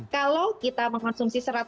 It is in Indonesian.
kalau kita mengonsumsi serat